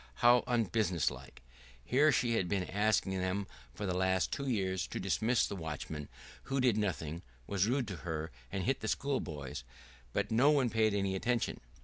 How unbusiness like! Here she had been asking them for the last two years to dismiss the watchman, who did nothing, was rude to her, and hit the schoolboys; but no one paid any attention.